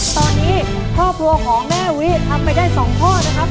ตอนนี้พ่อพัวของแม่วิทย์ทำไปได้สองพ่อนะครับ